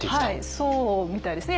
そうみたいですね。